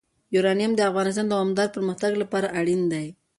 یورانیم د افغانستان د دوامداره پرمختګ لپاره اړین دي.